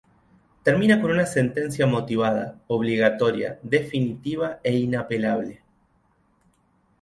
Termina con una sentencia motivada, obligatoria, definitiva e inapelable.